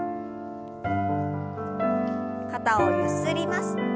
肩をゆすります。